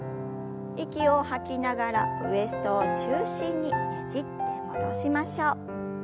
息を吐きながらウエストを中心にねじって戻しましょう。